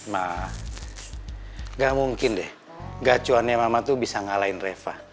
ma gak mungkin deh gacuannya mama tuh bisa ngalahin reva